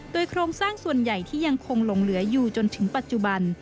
โดยโครงสร้างส่วนใหญ่ที่ยังคงหลงเหลืออยู่จนถึงปัจจุบัน